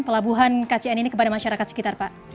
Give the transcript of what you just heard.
pelabuhan kcn ini kepada masyarakat sekitar pak